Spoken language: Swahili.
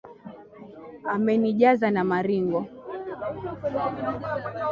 Amenijaza na maringo